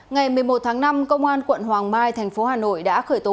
ngày một mươi một tháng năm công an quận hoàng mai thành phố hà nội đã khởi tố